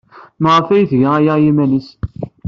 Maɣef ay tga aya i yiman-nnes?